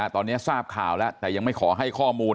ตอนนี้ทราบข่าวแล้วแต่ยังไม่ขอให้ข้อมูล